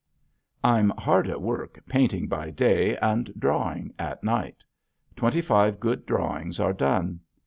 I'm hard at work painting by day and drawing at night. Twenty five good drawings are done.